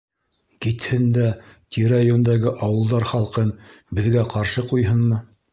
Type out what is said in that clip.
— Китһен дә тирә-йүндәге ауылдар халҡын беҙгә ҡаршы ҡуйһынмы?